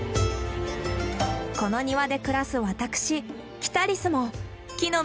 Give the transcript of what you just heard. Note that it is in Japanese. この庭で暮らす私キタリスも木の実が大好物！